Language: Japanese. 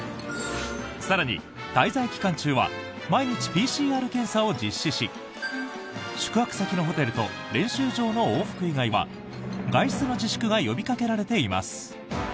更に、滞在期間中は毎日ＰＣＲ検査を実施し宿泊先のホテルと練習場の往復以外は外出の自粛が呼びかけられています。